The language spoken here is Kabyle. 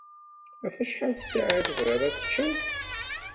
Ɣef wacḥal ssaɛa i tebɣiḍ ad teččeḍ?